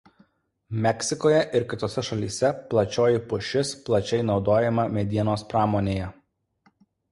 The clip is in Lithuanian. Meksikoje ir kitose šalyse plačioji pušis plačiai naudojama medienos pramonėje.